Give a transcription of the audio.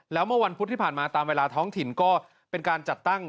แล้วเมื่อวันพุธที่ผ่านมาตามเวลาท้องถิ่นก็เป็นการจัดตั้ง